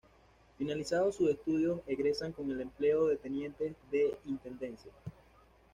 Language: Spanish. Finalizados sus estudios, egresan con el empleo de tenientes de Intendencia.